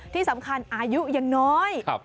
ที่สำคัญอายุยังน้อย